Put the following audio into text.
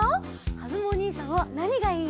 かずむおにいさんはなにがいい？